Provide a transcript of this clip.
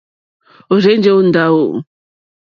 Ɔ̀rzɛ̀ndɛ́ ó ndáwò.